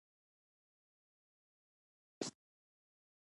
واسطه کول څه پایله لري؟